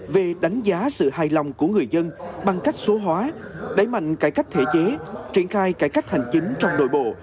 về đánh giá sự hài lòng của người dân bằng cách số hóa đẩy mạnh cải cách thể chế triển khai cải cách hành chính trong nội bộ